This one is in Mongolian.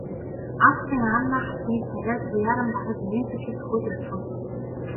Австрийн Анна хатны царай туяаран бараг инээмсэглэх дөхөөд явчихав.